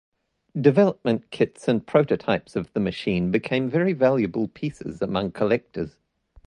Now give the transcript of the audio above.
Development kits and prototypes of the machine became very valuable pieces among collectors.